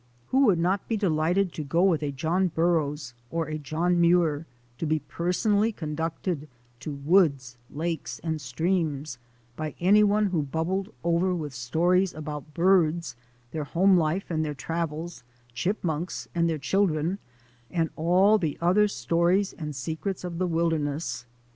Who would not be delighted to go with a John Burroughs or a John Muir, to be personally con ducted to woods, lakes, and streams by anyone who bubbled over with stories about birds, their home life and their travels, chipmunks and their children, and all the other stories and secrets of the wilder ness